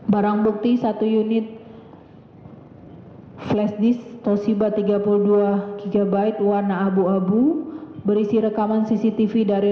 barang bukti satu unit flash disk tosiba tiga puluh dua gb warna abu abu berisi rekaman cctv dari